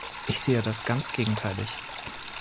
Ich sehe das ganz gegenteilig.